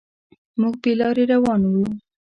موږ بې لارې روان یو.